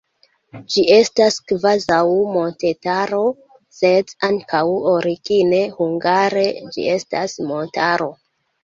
Ĝi estas kvazaŭ montetaro, sed ankaŭ origine hungare ĝi estas montaro.